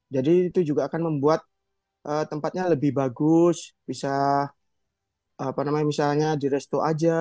jadi itu juga akan membuat tempatnya lebih bagus bisa apa namanya misalnya di resto aja